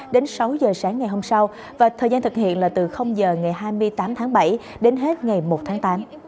đến sáu giờ sáng ngày hôm sau và thời gian thực hiện là từ h ngày hai mươi tám tháng bảy đến hết ngày một tháng tám